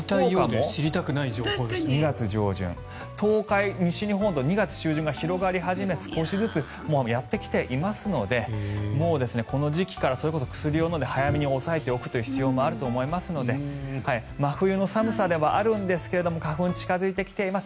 東海、西日本と２月中旬から広がり始め少しずつやってきていますのでこの時期からそれこそ薬を飲んで早めに抑えておく必要もあると思いますので真冬の寒さではあるんですが花粉、近付いてきています。